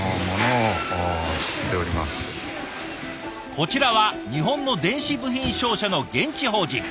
こちらは日本の電子部品商社の現地法人。